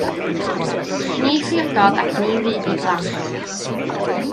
Ni phriododd ac ni fu iddi blant.